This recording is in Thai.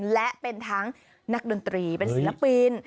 และเป็นทั้งนักดนตรีเป็นศิลปิน